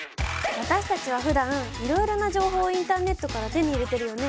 私たちはふだんいろいろな情報をインターネットから手に入れてるよね。